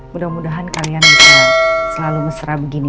mudah mudahan kalian bisa selalu mesra begini